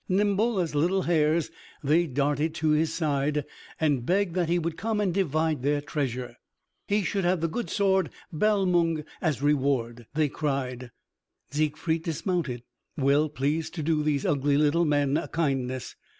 Nimble as little hares they darted to his side, and begged that he would come and divide their treasure. He should have the good sword Balmung as reward, they cried. Siegfried dismounted, well pleased to do these ugly little men a kindness.